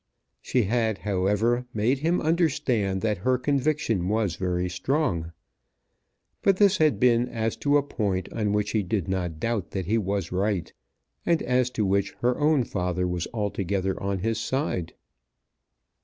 She had, however, made him understand that her conviction was very strong. But this had been as to a point on which he did not doubt that he was right, and as to which her own father was altogether on his side.